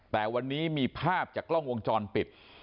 แต่วันนี้มีภาพจากกล้องวงจรปิด